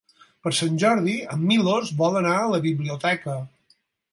Per Sant Jordi en Milos vol anar a la biblioteca.